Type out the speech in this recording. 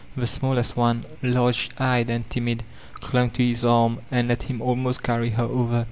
The small est one, large eyed and timid, clung to hb arm and let him almost carry her over.